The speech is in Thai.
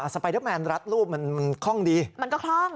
ไปเดอร์แมนรัดรูปมันคล่องดีมันก็คล่อง